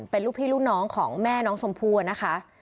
เป็นลูกพี่ลูกน้องของแม่น้องชมพู่นะคะ